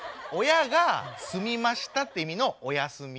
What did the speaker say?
親が済みましたって意味の「親済」。